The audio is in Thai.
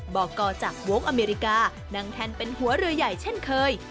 บอกกอจากโว๊คอเมริกานั่งแทนเป็นหัวเรือใหญ่เช่นเคย